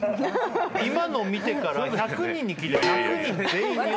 今の見てから１００人に聞いたら。